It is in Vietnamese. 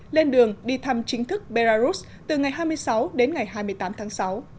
lên đường đi thăm chính thức belarus từ ngày hai mươi sáu đến ngày hai mươi tám tháng sáu